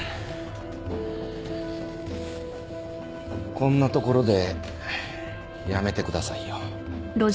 こんなところでやめてくださいよ。